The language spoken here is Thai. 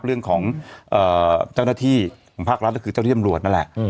เรื่องของเจ้าหน้าที่ของภาครัฐก็คือเจ้าที่ตำรวจนั่นแหละ